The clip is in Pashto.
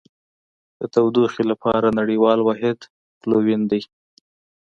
د تودوخې لپاره نړیوال واحد کلوین دی.